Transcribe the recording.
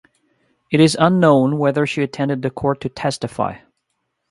It is unknown whether she attended the court to testify.